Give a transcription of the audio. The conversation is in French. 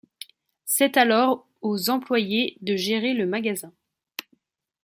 C'est alors aux employés de gérer le magasin.